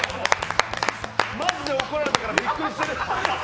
マジで怒られたからびっくりしてる。